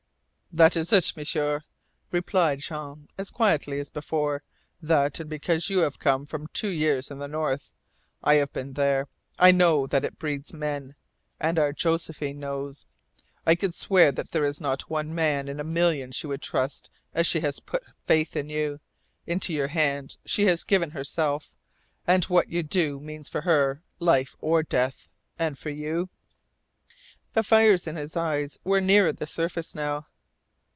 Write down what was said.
"That is it, M'sieur," replied Jean, as quietly as before. "That, and because you have come from two years in the North. I have been there. I know that it breeds men. And our Josephine knows. I could swear that there is not one man in a million she would trust as she has put faith in you. Into your hands she has given herself, and what you do means for her life or death. And for you " The fires in his eyes were nearer the surface now.